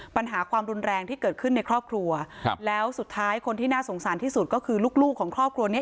ปัญหาความรุนแรงที่เกิดขึ้นในครอบครัวครับแล้วสุดท้ายคนที่น่าสงสารที่สุดก็คือลูกลูกของครอบครัวเนี้ย